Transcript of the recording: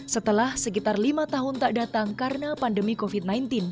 setelah sekitar lima tahun tak datang karena pandemi covid sembilan belas